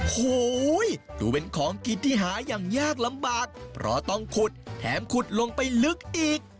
โอ้โหดูเป็นของกินที่หาอย่างยากลำบากเพราะต้องขุดแถมขุดลงไปลึกอีก